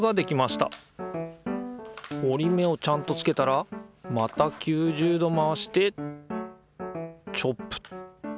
折り目をちゃんとつけたらまた９０度回してチョップ。